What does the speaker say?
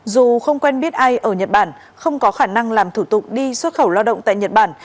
dù không quen biết ai ở nhật bản không có khả năng làm thủ tục đi xuất khẩu lao động tại nhật bản